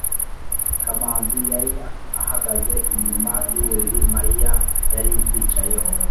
kamanzi yari ahagaze inyuma yuburiri mariya yari yicayeho